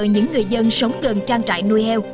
những người dân sống gần trang trại nuôi heo